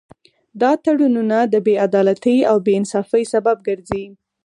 دا تړونونه د بې عدالتۍ او بې انصافۍ سبب ګرځي